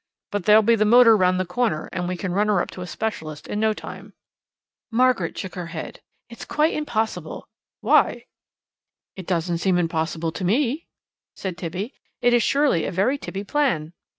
But there'll be the motor round the corner, and we can run her up to a specialist in no time." Margaret shook her head. "It's quite impossible." "Why?" "It doesn't seem impossible to me," said Tibby; "it is surely a very tippy plan."